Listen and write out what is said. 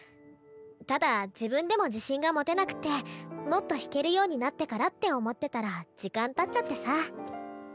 ただ自分でも自信が持てなくてもっと弾けるようになってからって思ってたら時間たっちゃってさ。